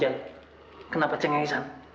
ya ponjan kenapa cengelisan